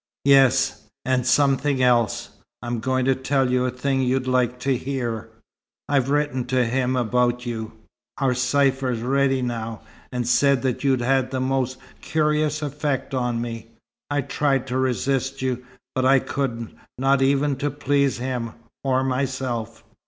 "Yes; and something else. I'm going to tell you a thing you'll like to hear. I've written to him about you our cypher's ready now and said that you'd had the most curious effect on me. I'd tried to resist you, but I couldn't, not even to please him or myself.